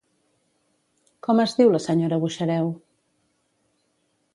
Com es diu la senyora Buxareu?